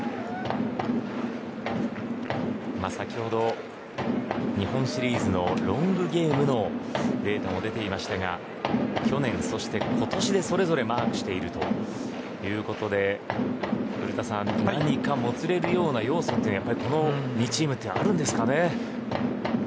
先ほど日本シリーズのロングゲームのデータも出ていましたが去年そして今年でそれぞれマークしているということで古田さん、何かもつれるような要素ってまだまだ分からないです。